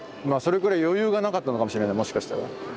まあそれぐらい余裕がなかったのかもしれないもしかしたら。